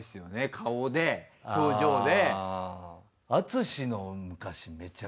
顔で表情で。